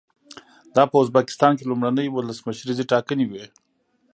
دا په ازبکستان کې لومړنۍ ولسمشریزې ټاکنې وې.